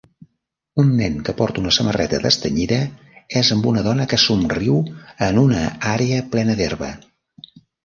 Un nen que porta una samarreta destenyida és amb una dona que somriu en una àrea plena d'herba